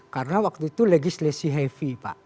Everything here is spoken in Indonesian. karena waktu itu legislasi heavy